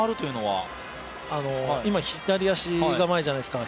今、左足が前じゃないですか